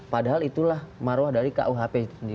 padahal itulah maruah dari kuhp